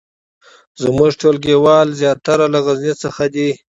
زمونږ ټولګیوال زیاتره له غزني څخه دي